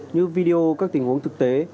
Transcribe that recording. như video các tình huống thực tế